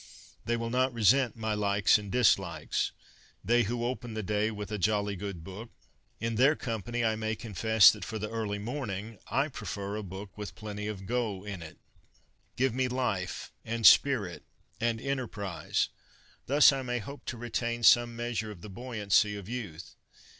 They will not resent my likes and dislikes — they who open the day with a ' jolly good book.' In their company I may confess that for the early morning I prefer a book with plenty of ' go ' in it. 94 CONFESSIONS OF A BOOK LOVER Give me life and spirit and enterprise. Thus may I hope to retain some measure of the buoyancy of youth.